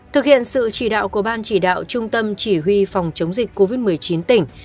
thực hiện sự chỉ đạo của ban chỉ đạo trung tâm chỉ huy phòng chống dịch covid một mươi chín tỉnh